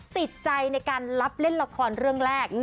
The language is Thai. ติดใจในการรับเล่นละครเรื่องแรก